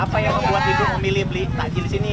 apa yang membuat ibu memilih beli takjil di sini